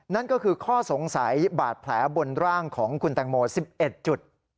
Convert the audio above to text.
นั่นก็คือข้อสงสัยบาดแผลบนร่างของคุณแตงโม๑๑จุด